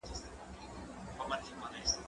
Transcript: کېدای سي ږغ کم وي،